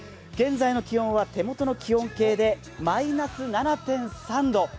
現在の気温は手元の気温計でマイナス７．３度。